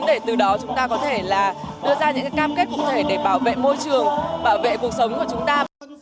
để từ đó chúng ta có thể là đưa ra những cam kết cụ thể để bảo vệ môi trường bảo vệ cuộc sống của chúng ta